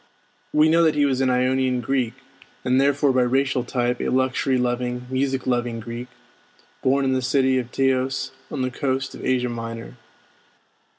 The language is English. We know that he was an Ionian Greek, and therefore by racial type a luxury loving, music loving Greek, born in the city of Teos on the coast of Asia Minor.